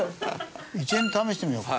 １円試してみようかな。